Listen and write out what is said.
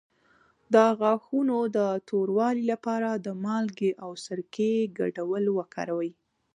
د غاښونو د توروالي لپاره د مالګې او سرکې ګډول وکاروئ